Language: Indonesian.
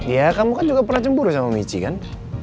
ya kamu kan juga pernah cemburu sama michi kan